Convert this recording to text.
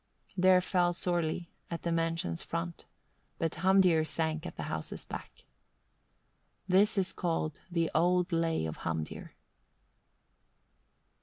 33. There fell Sorli, at the mansion's front; but Hamdir sank at the house's back. This is called the Old Lay of Hamdir.